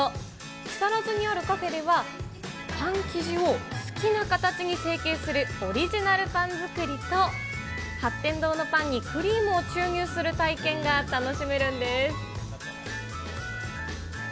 木更津にあるカフェでは、パン生地を好きな形に成形するオリジナルパン作りと、八天堂のパンにクリームを注入する体験が楽しめるんです。